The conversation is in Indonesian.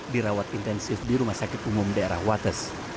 dirawat intensif di rumah sakit umum daerah wates